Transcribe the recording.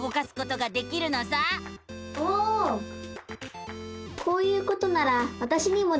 こういうことならわたしにもできそう！